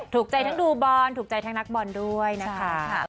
ถูกใจทั้งดูบอลถูกใจทั้งนักบอลด้วยนะคะ